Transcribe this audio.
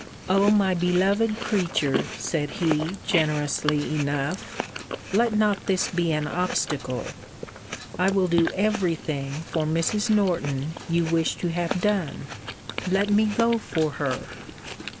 O my beloved creature! said he, generously enough, let not this be an obstacle. I will do every thing for Mrs. Norton you wish to have done. Let me go for her.